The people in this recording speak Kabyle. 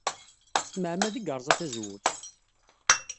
S tmeɛmada ay yerẓa tazewwut.